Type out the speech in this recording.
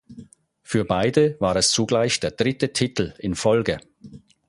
Für beide war es zugleich der dritte Titel in Folge.